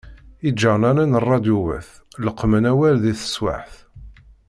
Iğernanen ṛṛadyuwat, leqmen awal di teswaԑt.